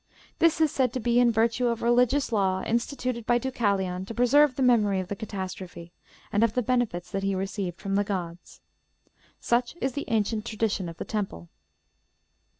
This is said to be in virtue of a religious law instituted by Deucalion to preserve the memory of the catastrophe, and of the benefits that he received from the gods. Such is the ancient tradition of the temple."